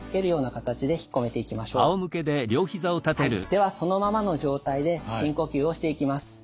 ではそのままの状態で深呼吸をしていきます。